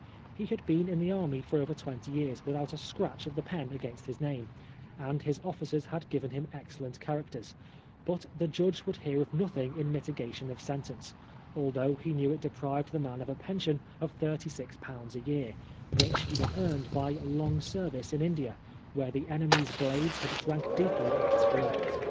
He had been in the army for over twenty years without a scratch of the pen against his name, and his of&cers had given him excellent characters ; but the judge would hear of nothing in mitigation of sentence, although he knew it deprived the man of a pension of thirty six pounds a year, which he had earned by long service in India, where the enemy's blades had drunk deeply of his blood.